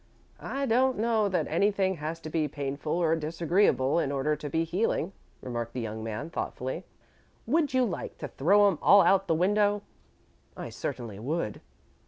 "I don't know that anything has to be painful or disagreeable in order to be healing," remarked the young man, thoughtfully. "Would you like to throw 'em all out of the window?" "I certainly would."